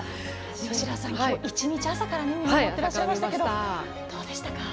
吉田さん、きょう１日朝から見守ってらっしゃいますけどどうでしたか？